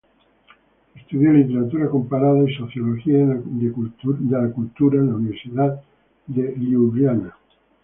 Estudió literatura comparada y sociología de la cultura en la Universidad de Liubliana.